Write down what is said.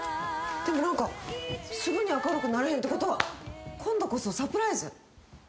でも何かすぐに明るくなれへんってことは今度こそサプライズ？